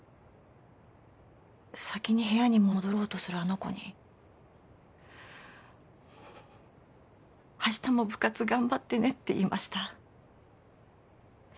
先に部屋に戻ろうとするあの子にあしたも部活頑張ってねって言いました。